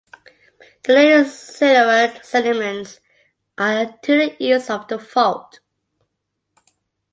The late Silurian sediments are to the east of the fault.